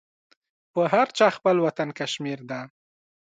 په هر چا خپل وطن کشمير ده.